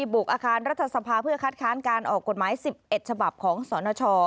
บุกอาคารรัฐสภาเพื่อคัดค้านการออกกฎหมาย๑๑ฉบับของสนช